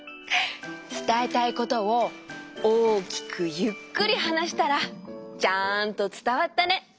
つたえたいことを大きくゆっくりはなしたらちゃんとつたわったね。